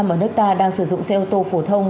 mà nước ta đang sử dụng xe ô tô phổ thông